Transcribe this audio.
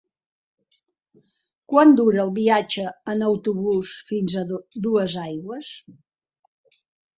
Quant dura el viatge en autobús fins a Duesaigües?